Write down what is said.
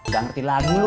gak ngerti lagu lu